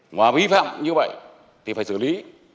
ngoài vi phạm như vậy thì phải xử lý